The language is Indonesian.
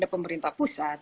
ada pemerintah pusat